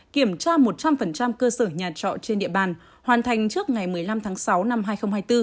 kiểm tra một trăm linh cơ sở nhà trọ trên địa bàn hoàn thành trước ngày một mươi năm tháng sáu năm hai nghìn hai mươi bốn